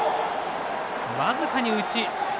僅かに内。